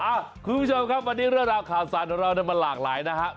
คุณผู้ชมครับวันนี้เรื่องราวข่าวสารของเรามันหลากหลายนะครับ